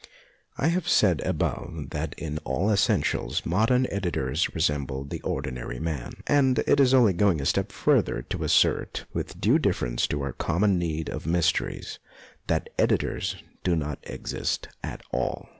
I have said above that in all essentials modern editors resemble the ordinary man, and it is only going a step further to assert, with due deference to our common need of mysteries, that editors do not exist at all.